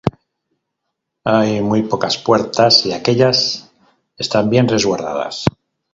Hay muy pocas puertas, y aquellas están bien resguardadas.